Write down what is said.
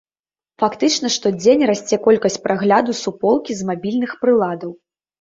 Фактычна штодзень расце колькасць прагляду суполкі з мабільных прыладаў.